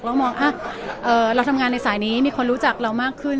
เรามองเราทำงานในสายนี้มีคนรู้จักเรามากขึ้น